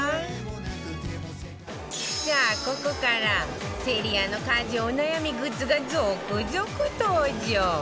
さあここからセリアの家事お悩みグッズが続々登場！